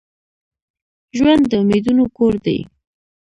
ژوند د امیدونو کور دي.